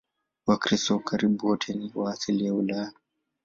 Wakristo karibu wote ni wa asili ya Ulaya.